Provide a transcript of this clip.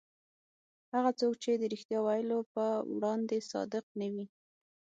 هغه څوک چې د رښتیا ویلو په وړاندې صادق نه وي.